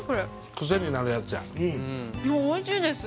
クセになるやつや・うんおいしいです